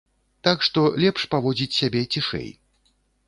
Так што лепш паводзіць сябе цішэй.